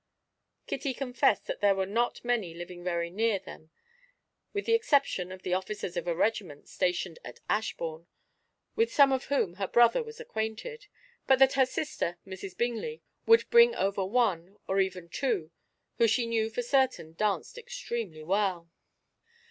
Kitty confessed that there were not many living very near them, with the exception of the officers of a regiment stationed at Ashbourne, with some of whom her brother was acquainted, but that her sister, Mrs. Bingley, would bring over one, or even two, who she knew for certain danced extremely well.